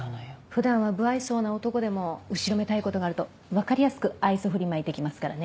普段は無愛想な男でも後ろめたいことがあると分かりやすく愛想振りまいてきますからね。